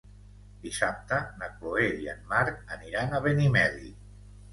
Dissabte na Chloé i en Marc aniran a Benimeli.